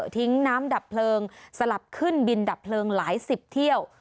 ทิ้งน้ำดับเพลิงสลับขึ้นบินดับเพลิงหลายสิบเที่ยว